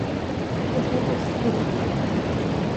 Дахьыҟаз здыруан.